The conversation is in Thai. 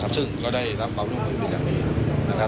ซึ่งก็ได้รับรบรวมวิกับนี้